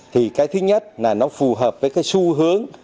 thì cái thứ nhất là nó phù hợp với cái xu hướng